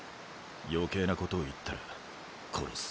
余計なことを言ったら殺す。